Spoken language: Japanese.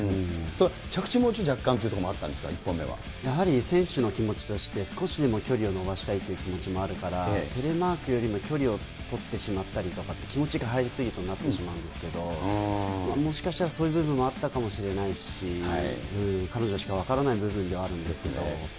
着地も若干というところもあやはり選手の気持ちとして、少しでも距離を伸ばしたいという気持ちもあるから、テレマークよりも距離を取ってしまったりとか、気持ちが入り過ぎるとなってしまうんですけれども、もしかしたらそういう部分もあったかもしれないし、彼女しか分からない部分ではあるんですけれども。